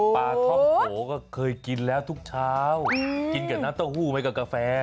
ปลาท่อมโกก็เคยกินแล้วทุกเช้ากินกับน้ำเต้าหู้ไหมกับกาแฟ